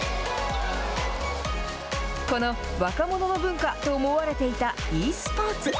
この若者の文化と思われていたｅスポーツ。